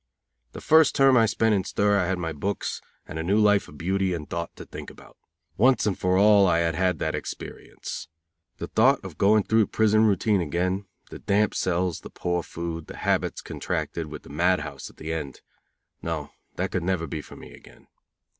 The first term I spent in stir I had my books and a new life of beauty and thought to think about. Once for all I had had that experience. The thought of going through prison routine again the damp cells, the poor food, the habits contracted, with the mad house at the end no, that could never be for me again.